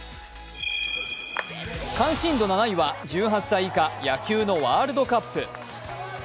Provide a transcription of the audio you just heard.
関心度７位は１８歳以下、野球のワールドカップ。